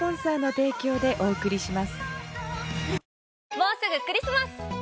もうすぐクリスマス！